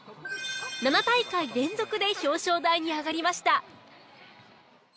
７大会連続で表彰台に上がりました。